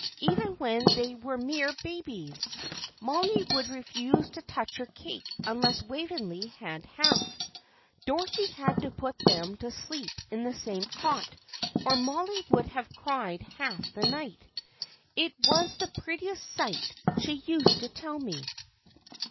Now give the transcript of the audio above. "Even when they were mere babies, Mollie would refuse to touch her cake unless Waveney had half. Dorothy had to put them to sleep in the same cot, or Mollie would have cried half the night. It was the prettiest sight, she used to tell me."